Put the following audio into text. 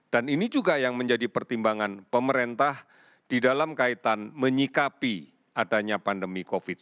dan ini juga yang menjadi pertimbangan pemerintah di dalam kaitan menyikapi adanya pandemi covid sembilan belas ini